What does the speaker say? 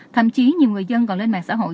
thậm chí nhiều người dân còn lên mạng xã hội